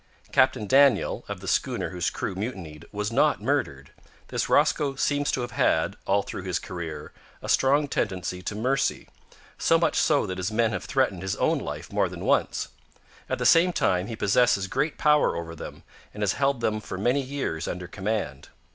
Captain Daniel, of the schooner whose crew mutinied, was not murdered. This Rosco seems to have had, all through his career, a strong tendency to mercy. So much so that his men have threatened his own life more than once. At the same time, he possesses great power over them, and has held them for many years under command.